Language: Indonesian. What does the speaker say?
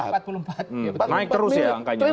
naik terus ya